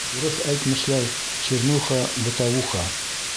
Урыҫ әйтмешләй, чернуха-бытовуха.